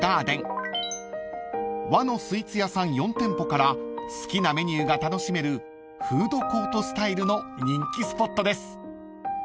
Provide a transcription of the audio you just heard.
［和のスイーツ屋さん４店舗から好きなメニューが楽しめるフードコートスタイルの人気スポットです］